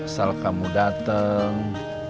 asal kamu dateng